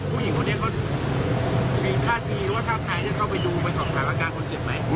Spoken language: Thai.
ผู้หญิงคนนี้เขามีท่าทีหรือว่าท่าทางจะเข้าไปดูไปสอบถามอาการคนเจ็บไหม